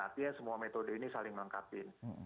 artinya semua metode ini saling melengkapi